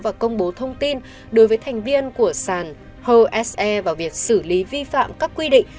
và công bố thông tin đối với thành viên của sàn hose vào việc xử lý vi phạm các quy định